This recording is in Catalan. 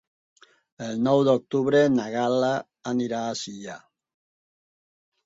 El nou d'octubre na Gal·la anirà a Silla.